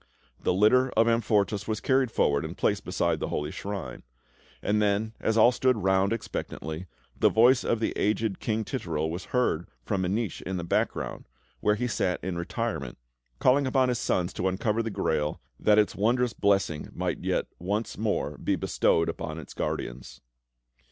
The litter of Amfortas was carried forward and placed beside the holy shrine; and then, as all stood round expectantly, the voice of the aged King Titurel was heard from a niche in the background, where he sat in retirement, calling upon his son to uncover the Grail, that its wondrous blessing might yet once more be bestowed upon its guardians.